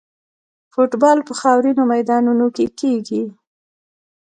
فوټبال په خاورینو میدانونو کې کیږي.